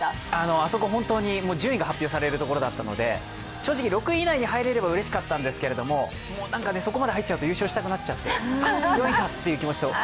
あそこ、順位が発表されるところだったので、正直、６位以内に入ればよかったんですが、そこまで入っちゃうと優勝したくなっちゃって。